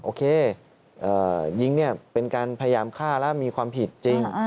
โอเคยิงเนี่ยเป็นการพยายามฆ่าแล้วมีความผิดจริง